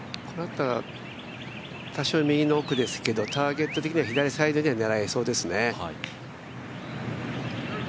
ここだったら多少、右の奥ですけどターゲット的には左奥には狙えそうですね。